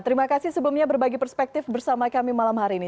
terima kasih sebelumnya berbagi perspektif bersama kami malam hari ini